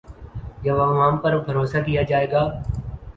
جب عوام پر بھروسہ کیا جائے گا۔